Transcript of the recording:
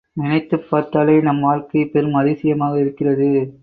நினைத்துப் பார்த்தாலே நம் வாழ்க்கை பெரும் அதிசயமாக இருக்கிறது!